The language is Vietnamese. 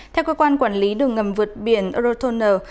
theo cơ quan quản lý đường ngầm vượt biển eurotoner